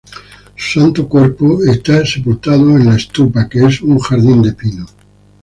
Su santo cuerpo está sepultado en la estupa, que es un jardín de pinos.